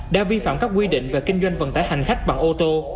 đã vi phạm các quy định về kinh doanh vận tải hành khách bằng ô tô